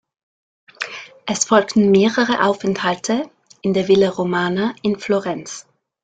Es folgten mehrere Aufenthalte in der Villa Romana in Florenz.